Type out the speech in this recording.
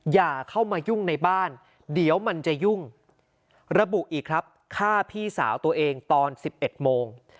อย่าเข้ามายุ่งในบ้านเดี๋ยวมันจะยุ่งระบุอีกครับฆ่าพี่สาวตัวเองตอน๑๑โมง